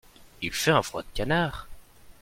Il fait un froid de canard.